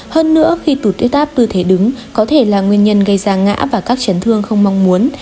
hơn nữa khi tụt tuyết áp tư thế đứng có thể là nguyên nhân gây ra ngã và các chấn thương không mong muốn